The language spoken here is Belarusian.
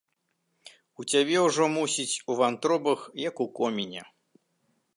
У цябе ўжо, мусіць, у вантробах, як у коміне.